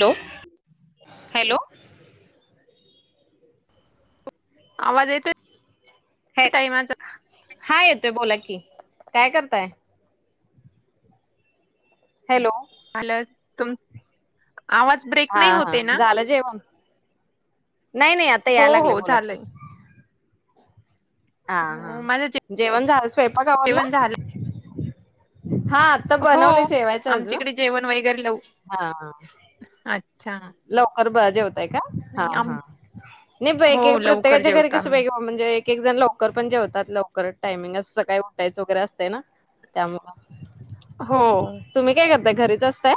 Low hello आवाज येतो- हे हाय येतोय बोला क कि काय करताय हॅ लोओ आलात तुम आवाज ब्रेक हा नाही हा होते ना झालं जेवण [inaudible] नाही नाही आता हो याय लागलं हो बोला की झालंय हा हा हो माझं जे जेवण झा स्वयंपाक आ वरला जेवण झालं [unintelligible] हा आता हो बनवलेे जे वायचं अजून आमच्याकडे जेवण वगैरे लव हा अच्छा लवकर बा जेव ताय का हा नाही आम नाही हो पएक एक लवकर प्रत्येकाच्या घरी जेवतो कस आम्ही गं म्हणजे केक जण लवकर पण जेवतात लवकर टायमिंग अस सकाळी उठायचं वगैरे असतय ना त्यामु हो त्या घरीच असतय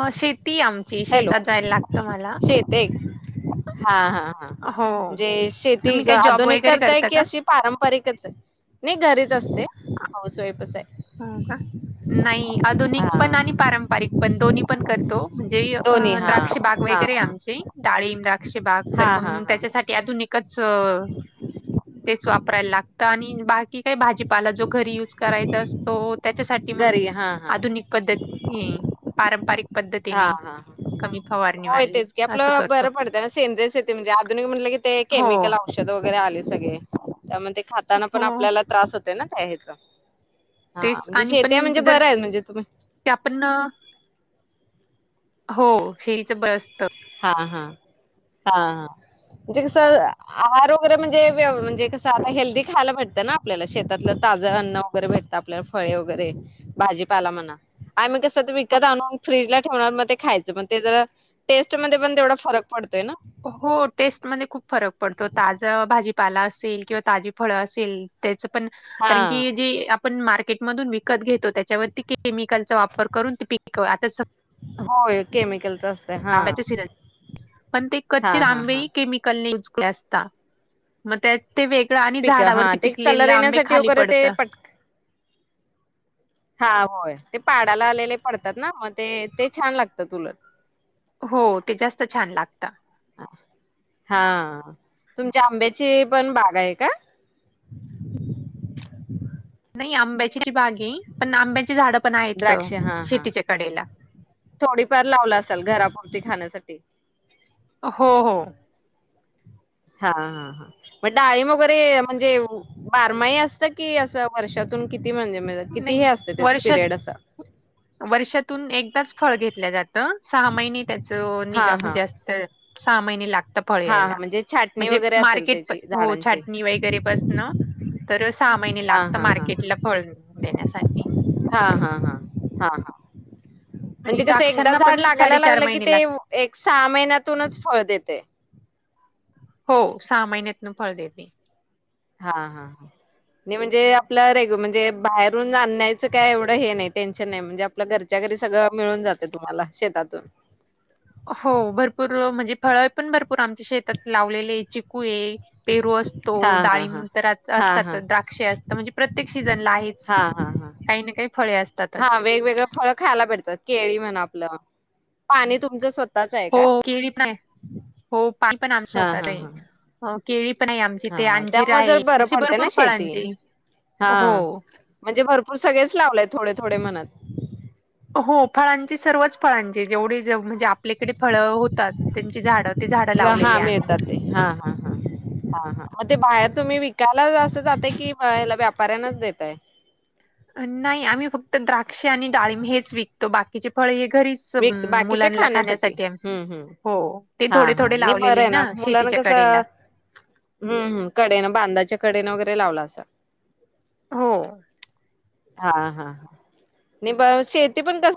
अ शेतीये आमची शेतात जायला लागत मला हा हा ह हो णजे शेती तुम्ही क काही जॉब आधुनिक वगैरे करताय करता की का अशी पारंपरिकच आहे नही घरीच असते हाऊस वाईफच आहे हो का नही आधुनिक पण आणि हां. पारंपरिक पण दोन्ही पण करतो म्हणजे दोन्ही हां, द्राक्ष बाग हां, वगैरेयं हां. आमचे डाळीम द्राक्ष बाग तर हां, हां, मग हां. त्याच्यासाठी आधुनिक चंअअ तेच वापरायला लागत ता आणि बाकी काय भाजीपाला जो घरी यूज करायचं अस घरी हां, हां, आधुनिक पद्धती हम पारंम पारिक हा हा होय तेच की असं आपलं करतो. बरं पडतं ना सेंद्रिय शेती, म्हणजे आधुनिक म्हटलं की ते हो, केमिकल औषध वगैरे आले. सगे त्यामध्ये खाताना पण हो आपल्याला त्रास होतो. त्यांना काय येत? हा तेच म्हणजे आणि शेेत पण म्हणजे जर बरं आहेत की म्हणजे तुम्ही आपण अ, हो हेचं बस हा हा हा हा म्हणजे कसं आहार वगैरे म्हणजे म्हणजे कसं आता हेल्दी खायला भेटतं ना आपल्याला शेतातलं ताजं अन्न वगैरे भेटतं, आपल्याला फळे वगैरे, भाजीपाला म्हणा आणि मग कसं ते हो विकत आणून फ्रीजला ठेवणार मग ते खायचं मग ते ज टेस्ट ध्ये पण तेवढा फरक पतोय ना. हो टेस्ट मध्ये खूप फरक पडतो ताज भाजी ला असेल किंवा ताजी फळ असेल त्याचं ण कारण हां की जी आपण मार्केट मधून विकत घेतो त्याच्यावरती केमिकलचा वापर करून ते पिक आता होय केमिकलचा आंब्याचे सीजन पण ते हां कच्चे हां हां आंबे केमिकल नज ता मग ते वेगळं आणि पिक हा झाडावरती ते कलर पिकलेले आंबे येण्यासाठी खाली वगैरे ते पडत. पट, हा होय. ते पाडाला आलेले पडतात ना म ते ते छान लागतं उलट. हो ते जास्त [inaudible] हा तुमच्या आंब्याची पण बाग आहे का? आंब्याची बाग आहे, पण आंब्याची झाड द्राक्ष हा हा थोडीफार लावला असाल घरापुरती खाण्यासाठी. तेे. हो हो. हा हा ह मग डाळीम वगैरे म्हणजे बारमाई असतं की असं वर्षातून किती? म्हणजे म्हणजे किती हे नाही असते त्याच वर्षात पिरियड असा वर्षातून एकदाच फळ घेत लगात सहा महिने त्याच हा निगा हा म्हणजे असत सहा महिने लागत फळ हा हा यायला, म्हणजे छाटणी म्हणजे वगैरे असेल मार्केट त्याची हो झाडांची छाटणी वगैरेपसन तर सहा महिने हा लागत हा हा मार्केटला फळ देण्यासाठी. हा हा हा हा हा आणि म्हणजे कसं एकदा द्राक्षांना झाड पण लागायला साडेचार लागलं की महिने ते लागतात. एक सहा महिन्यातूनच फळ देते. हो सहा महिन्यातन फळ देते. हा हा ह नाही म्हणजे आपलं रेग म्हणजे बाहेरून आणण्यायचं काय एवढं हे नाही टेन्शन नाही. म्हणजे आपलं घरच्या घरी सगळं मिळून जाते तुम्हाला शेतातून. हो भरपूर म्हणजे फळ पण भरपूर आमच्या शेतात लावलेले चिकू आहे पेरू असतो हा हा दाळींब तर हा हा असतातच हा द्राक्ष असता म्हणजे प्रत्येक सीजनला आहेच हा हा हा काही ना काही फळे हा असतातच. वेगवेगळं फळं खायला भेटतात केळी म्हणा पाणी तुमच स्वतः हो केळी पण आहे हो पाणी पण आमचं हा हा स्वतःचं आहे हा अ केळी पण आहे आमची ते हा अंजीर त्यामुळे जर आहे बरं अशी पडतय ना भरपूर शेती फळांची हा हो. म्हणजे भरपूर सगळेच लावलेय थोडे थोडे म्हणत. हो फळांची सर्वच फळांची जेवढी जेव म्हणजे आप आपल्याकडे फळ होतात त्यांची झाडं ते झाड हा लावलेली आम्ही. मिळतात ते हा हा हा हा हा मग ते बाहेर तुम्ही विकायला असं जाताय की अ ह्याला व्यापाऱ्यांनाच देताय. नाही आम्ही फक्त द्राक्ष आणि डाळिंब हेच विकतो बाकीचे फळे हे घरीच अम, विकतो बाकीचे मुलांना अच्छा. खाण्यासाठी आम्ही हुं हुं हो ते हा थोडे हा थोडे नई बर लावलेले आहे ना मुलाना शेतीच्या कस कडेला हुं हुं कडेन बांधाच्या कडेन वगै रे लावलां असा. हो. हा हा हा शेती पण कस.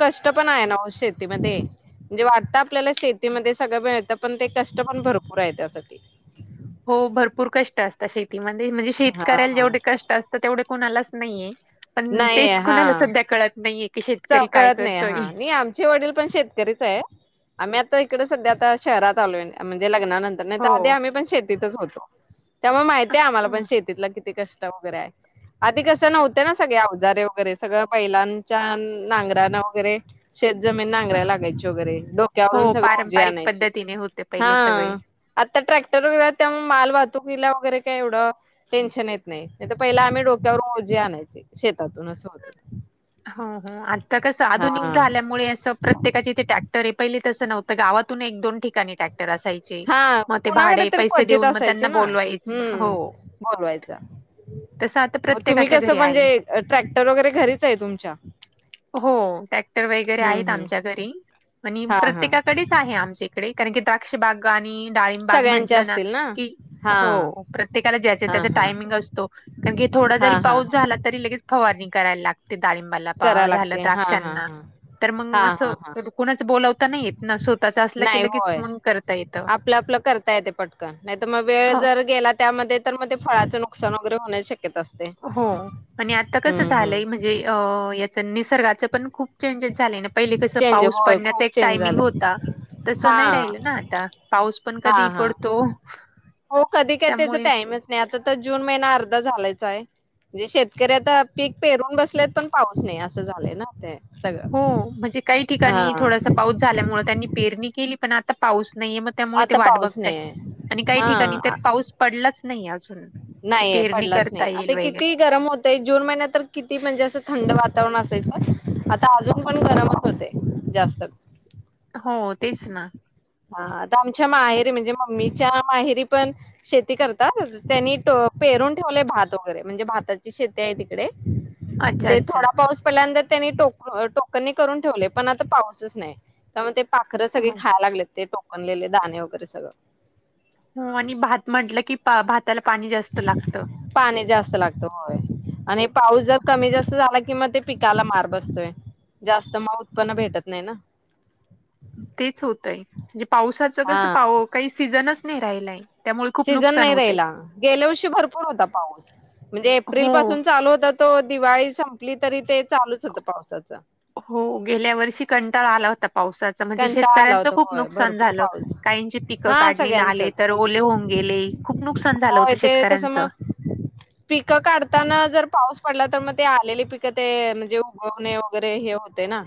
कष्ट पण आहे ना शेतीमध्ये म्हणजे वाटत आपल्याला शेतीमध्ये सगळं मिळत पण ते कष्ट पण भरपूर आहे त्यासाठी. हो भरपूर कष्ट असत शेती म्हणजे म्हणजे हा शेतकऱ्याला हा जेवढे कष्ट असतात तेवढे कोणालाच नाहीये. पण तेच कुणाला सध्या कळत नाहीये. की त शेतकरी काय कळत नाही करतोय हा नाही आमचे वडील पण शेतकरीच आहे आम्ही आता इकडे सध्या आता शहरात आलोय म्हणजे लग्ना नंतर हो नाहीतर आधी आम्ही पण शेत तिथंच होतो. त्यामुळ माहितीये आम्हाला पण हं. शेतीतला किती कष्ट कष्ट वगैरे आहे आधी कस नव्हत ना सगळे अवजारे वगैरे सगळं बैलांच्या नांगरा न वगैरे शेत जमीन नांगरा लागायची वगैरे डोक्यावरून हो सगळं ओझे पारंपरिक आणायचे पद्धतीने होते हा पहिले सगळे आता ट्रॅक्टर वगैरे आहे त्यामुळे व मालवाहतुकीला वगैरे काही एवढं टेन्शन येत नाही. नाही तर पहिल आम्ही डोक्या वरून ओझे आणायचे. शेतातून असं होत. हो हो आता कसं आधुनिक हा. झाल्यामुळे असं प्रत्येकाचे इथे ट्रॅक्टर आहे पहिले तसं नव्हतं गावातून एक दोन ठिकाणी ट्रॅक्टर असायचे. हा मग ते कुणाकडे भाडे, तरी पैसे क्वचेित देऊन मग असायचे त्यांना ना बोलवायच हम् हो. बोलवायचा तसं आता म तुम्ही प्रत्येकाच्या कसं घरी आहे. म्हणजे ट्रॅक्टर वगैरे घरीच आहे तुमच्या? हो टॅक्टर वगैरे हं, आहेत हं. आमच्या घरी आणि हां, हां. प्रत्येकाकडेच आहे आमच्या इकडे. कारण की द्राक्ष बाग आणि डाळिंब बाग सगळ्यांचे म्हटलं ना असतील की हां. हो प्रत्येकाला ज्या त्या हां, हां. टायमिंग असतो कारण की थोडा जरी हां, हां, पाऊस हां. झाला तरी लगेच फवानि. करायाला लागत ते डाळिंबाला करावं झालं लागते. हां, हां, द्राक्षांना हां. तर मग हां, असं हां, हां. कुणीच बोलावता नाही येत ना स्वतःच असलं की नाही लगेच होय. मग करता येत आपलं आपलं करता येते पटकन. नाहीतर मग वेळ जर गेला त्यामध्ये तर मग ते फळाचं नुकसान वगैरे होण्याची शक्यता असते. हो आणि आता कस हं, हं. झालंय म्हणजे अ निसर्गाच पण खूप चेंजेस झाले ना पहिले कस चेंज पाऊस होय पडण्याचा खूप एक चेंज टायमिंग झालं. होता तसं नाही हां. राहिलं ना आता पाऊस पण कधी हां, हां. पडतो हो कधी काय त्याचा त्यामुळे टाइमच नाही आता आता तर जून महिना अर्धा झालायचा आहे म्हणजे शेतकरी आता पीक पेरून बसलेत पण पाऊस नाही असं झालेय ना ते हो सगळं म्हणजे काही हा ठिकाणी थोडासा पाऊस झाल्यामुळे त्यांनी पेरणी केली पण आता पाऊस नाही मग त्यामुळे ते आता वाट पाऊस बघत आहेत नाही आणि काही ठिकाणी हा तर पाऊस पडलाच नाही अजून कि नाहीय पेरणी पडलाच करता नाही येईल आता वगैरे किती गरम होतय जून महिन्यात तर किती म्हणजे असं थंड वातावरण असायचं अजून पण गरम च होते जास्त हो तेच ना हा आता आमच्या माहेरी म्हणजे मम्मीच्या माहेरी पण शेती करतात त्यांनी पेरून ठेवलेय भात वगैरे म्हणजे भाताची शेती आहे तिकडे अच्छा ते अच्छा थोडा पाऊस पडल्यानंतर त्यांनीक टोकनी करून ठेवले पण आता पाऊसच नाही त्यामुळ ते पाखरं सगळे हो खायला लागले ते टोकनलेले दाणे वगैरे सगळं हो आणि भात म्हटलं की भाताला पाणी जास्त लागतं पाणी जास्त लागत होय आणि पाऊस जर कमी जास्त झाला कि मग ते पिकाला मार बसतोय जास्त मग उत्पन्न भेटत नाही ना तेच होतय म्हणजे पावसाच कस हा. काही सीझनच नाही राहिलाय त्यामुळे खूप सीझन नुकसान नाही होतंय. राहिला गेल्या वर्षी भरपूर होता पाऊस म्हणजे एप्रिल हो पासून चालू होता तो दिवाळी संपली तरी ते चालूच होतं पावसाचं. हो गेल्या वर्षी कंटाळा आला होता पावसाच म्हणजे कंटाळा आला शेतकऱ्यांचं होता खूप होय नुकसान भरपूर झालं पाऊस काहींची पिकं हा काढणीला आले सगळ्यांचच तर ओले होऊन गेले खूप नुकसान झालं होत होय ते कसं शेतकऱ्यांच मग पिकं काढताना जर पाऊस पडला तर मग ते आलेली पिकं ते म्हणजे उगवणे वगैरे हे होते ना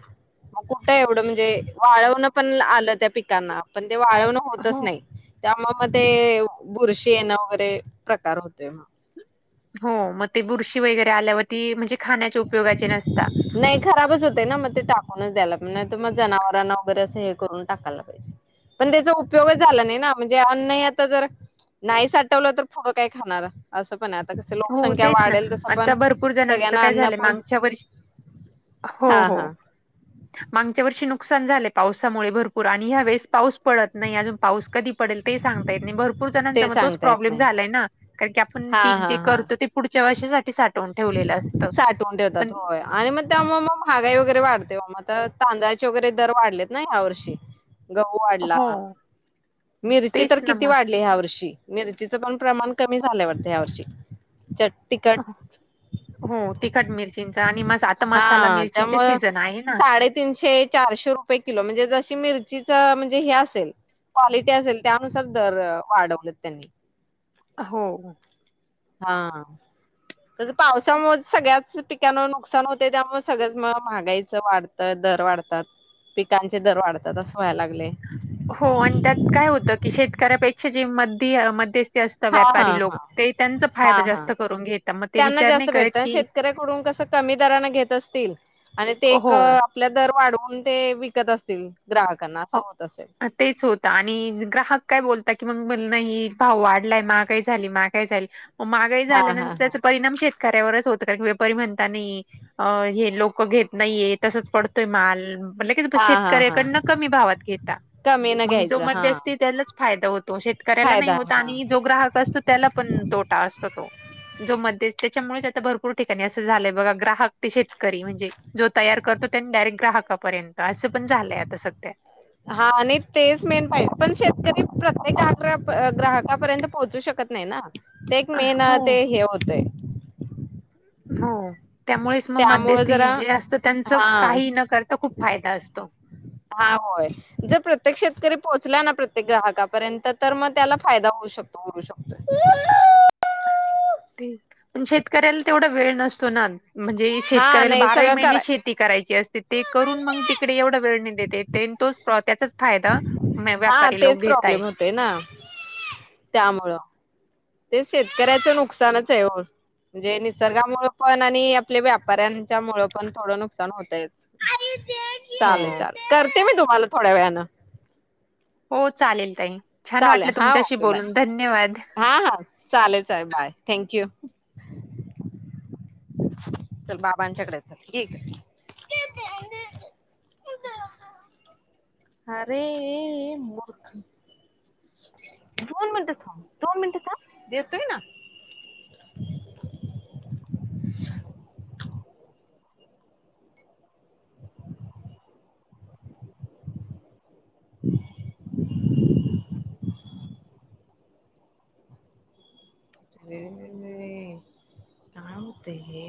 मग कुठं एवढं म्हणजे वाळवणं पण आलं त्या पिकांना पण ते वाळवण होतच हो नाही त्या ते बुरशी येणं वगैरे प्रकार होतोय. हो मग ती बुरशी वगैरे आल्यावर ती, म्हणजे खाण्याच्या उपयोगाची नसते. नाही, खराबच होते ना मग ते टाकूनच द्यायला नाही त मग जनावरांना वगैरे असं हे करून टाकायला पाहिजे. पण त्याचा उपयोगच झाला नाही ना म्हणजे अन्न हे आता जर, नाही साठवलं तर पुढं काय खाणार अस हो तेच ना, आता भरपूर जणांचं सगळ्यांना काय झालंय अन्नपूर मागच्या वर्षी हो हा हो हा. मांगच्या वर्षी किती नुकसान झालय पावसामुळे भर पूर आणि ह्या वळेस पाऊस पडत नाही, अजून पाऊस कधी पडेल ते सांगता येत नाही. भरपूर जणांचा ते मग तोच सांगता येत प्रॉब्लेम नाही. झालाय ना कारण की आपण हा पीक हा जे हा. करतु ते पुढच्या वर्षी क [unintelligible] साठवून ठेवतात होय आणि मग त्यामुळं मग महागाई वगैरे वाढते ओ मग तर तांदळाचे वगैरे दर वाढलेत ना यावर्षी त गहू वाढला, हो मिरची तर तेच ना किती मग वाढली ह्या वर्षी. मिरचीचं पण प्रमाण कमी झालय वाटतं ह्या वर्षी चट टिकट हो, तिखट मिरचींचा आणि मस हा त्यामुळं साडेतीनशे चारशे रुपये किलो म्हणजे जशी मिर चीच म्हणजे हे असेलं क्वालिटी असेलं त्यानुसार दर वाढवलेत त्यांनी. हो हो. हा. तसं पावसामुळेच सगळ्यात पिकांवर नुकसान होतय, त्यामुळे सगळंच महागाईच वाढतं, दर वाढतात, पिकांचे दर वाढतात असं व्हायला लाग हो आणि त्यात काय होत की शेतकऱ्यापेक्ष जी मधी आ मध्यस्थ हा ह ह हा हा, जास्त करून घेता मग ते त्यांना विचार नाही जास्त भेटत, करत की शेतकऱ्याकडून कसं कमी दराने घेत असतील आणि तेक हो आपल्या दर वाढवून ते विकत असतील. ग्राहकांना असं हो, होत असेल. तेच होत आणि ग्राहक काय बोल की मग म्हणंन ही भाव वाढलाय, माघाई झाली, माघाई झाली मागाई हा हा झाल्यानंतर हा त्याचा परिणाम शेतकऱ्यावरच होत व्यपारी म्हणतानी हे लोक घेत नाहीये तसच पडतोय माल, लगीचं ब हा हा हा शेतकऱ्याकडनं भावात घेता, कमी न मग जो घ्यायचं हा मध्यस्थी त्यालाच फायदा होत तो शेतकऱ्याला नाही फायदा होतं हा आणि जो ग्राहक असतो त्याला पण तोटा असतो तो. जो मध्यस्थि त्याच्यामुळेच, आता भरपूर ठिकाणी असं झालंय बघा ग्राहक ते शेतकरी म्हणेजे जो तयार कर तो त्याने डायरेट ग्राहक पर्यंत असं पण झालय आता सध्या. हा आणि तेच मेन पाहिजे, पण शेतकरी प्रत्येक आग्र ग्राहकापर्यंत पोहोचू शकत नाही ना. ते एक अ, मेन हो. ते हे होतंय. हो. त्यामुळेच मग त्यामुळे मध्यस्थी जरा जे असतं त्यांच हा काही न करता खूप फायदा असतो. पोहोचल्या ना प्रत्येक ग्राहकापर्यंत तर मग त्याला फायदा होऊ शकतो होऊ शकतो. ते पण शेतकऱ्याला तेवढा वेळ नसतो ना. म्हणजे हा शेतकऱ्याला नाही बाराई सगळं महिने कराय शेती करायची असते ते करून मग तिकडे एवढा वेळ न त तेन तोच त्याचाच फायदा म हा व्यापारी तेच लोक घेताय प्रॉब्लेम होतोय ना त्यामुळं. ते शेतकऱ्याचं नुकसानच आहे हो, म्हणजे निसर्गामुळे पण आणि आपल्या व्यापाऱ्यांच्यामुळं पण थोडं नुकसान होतयच. हो चालेल चालेल करते मी. तुम्हाला थोड्या वेळानं. हो चालेल ताई. छान चालेल, वाटलं हा तुमच्याशी ओके बाय बोलून धन्यवाद. हा हा चालेल चालेल बाय. थँक्यू! चल बाबांच्याकडे चल, ये इकडं [unintelligible] अरे ए ए ए मूर्ख. दोन मिनटं थांब, दोन मिनटं थांब देतोय ना. वेळोवेळी काम ते हे